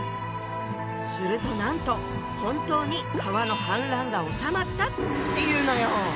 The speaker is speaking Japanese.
するとなんと本当に川の氾濫がおさまったっていうのよ！